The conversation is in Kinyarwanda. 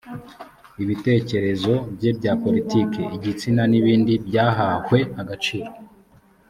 ibitekerezo bye bya politiki, igitsina ni bindi byahahwe agaciro.